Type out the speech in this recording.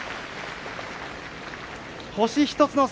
星１つの差